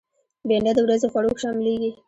بېنډۍ د ورځې خوړو کې شاملېږي